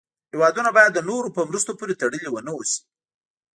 هېوادونه باید د نورو په مرستو پورې تړلې و نه اوسي.